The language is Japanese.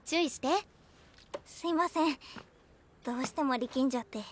すいませんどうしても力んじゃって。